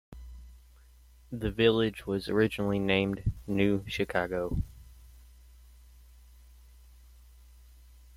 The village was originally named "New Chicago".